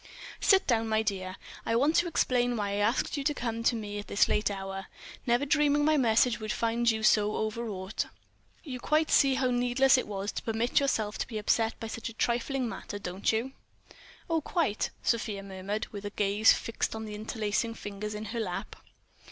"Sit down, my dear. I want to explain why I asked you to come to me at this late hour—never dreaming my message would find you so overwrought.... You quite see how needless it was to permit yourself to be upset by such a trifling matter, don't you?" "Oh, quite," Sofia murmured, with gaze fixed on the interlacing fingers in her lap.